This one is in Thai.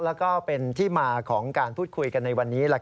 แล้วก็เป็นที่มาของการพูดคุยกันในวันนี้